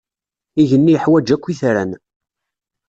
Igenni iḥwaǧ akk itran.